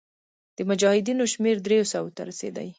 د مجاهدینو شمېر دریو سوو ته رسېدی.